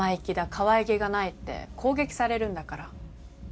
かわいげがないって攻撃されるんだから。